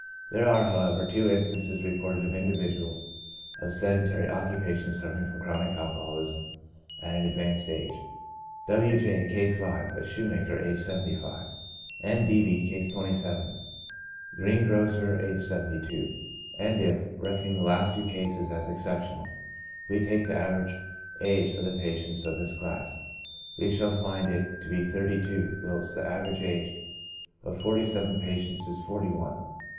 There are, however, two instances reported of individuals of sedentary occupations suffering from chronic alcoholism at an advanced age : W. J —, (Case 5,) a shoe maker, aged 75, and D. B —, (Case 27,) greengrocer, aged 72 ; and if, reckoning the last two cases as exceptional, we take the average age of the patients of this class, we shall find it to be thirty two, whilst the average age of the forty seven patients is forty one.